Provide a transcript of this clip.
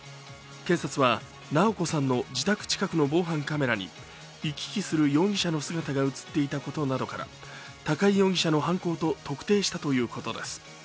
警察は直子さんの自宅近くの防犯カメラに行き来する容疑者の姿が映っていたことなどから高井容疑者の犯行と特定したということです。